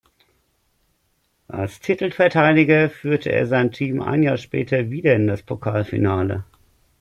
Als Titelverteidiger führte er sein Team ein Jahr später wieder in das Pokalfinale.